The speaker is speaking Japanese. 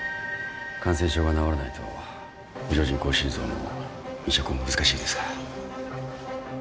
感染症が治らないと補助人工心臓も移植も難しいですから。